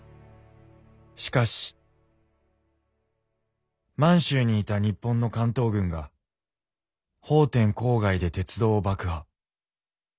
しかし満州にいた日本の関東軍が奉天郊外で鉄道を爆破。